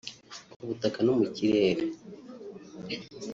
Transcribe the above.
ku butaka no mu kirere